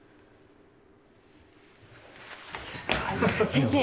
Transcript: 先生。